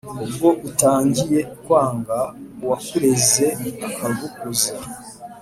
Ubwo utangiye kwanga Uwakureze akagukuza